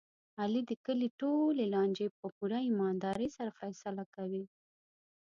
علي د کلي ټولې لانجې په پوره ایماندارۍ سره فیصله کوي.